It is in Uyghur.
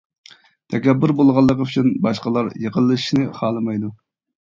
تەكەببۇر بولغانلىقى ئۈچۈن باشقىلار يېقىنلىشىشنى خالىمايدۇ.